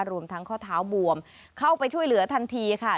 รวมทั้งข้อเท้าบวมเข้าไปช่วยเหลือทันทีค่ะ